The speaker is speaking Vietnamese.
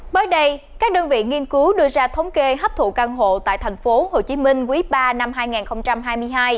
bởi đây các đơn vị nghiên cứu đưa ra thống kê hấp thụ căn hộ tại thành phố hồ chí minh quý ba năm hai nghìn hai mươi hai